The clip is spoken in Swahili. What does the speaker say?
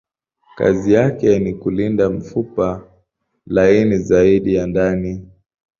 Kazi yake ni kulinda mfupa laini zaidi ya ndani.